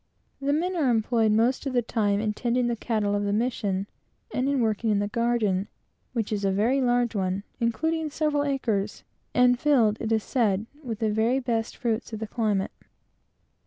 The men are employed, most of the time, in tending the cattle of the mission, and in working in the garden, which is a very large one, including several acres, and filled, it is said, with the best fruits of the climate.